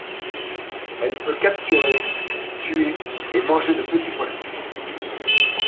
Elle peut capturer, tuer et manger de petits poissons.